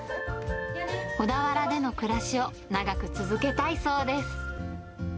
小田原での暮らしを長く続けたいそうです。